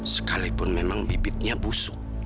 sekalipun memang bibitnya busuk